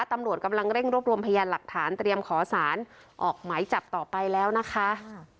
ตำรวจกำลังเร่งรวบรวมพยานหลักฐานเตรียมขอสารออกหมายจับต่อไปแล้วนะคะ